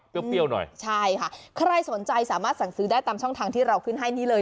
เปรี้ยวหน่อยใช่ค่ะใครสนใจสามารถสั่งซื้อได้ตามช่องทางที่เราขึ้นให้นี่เลย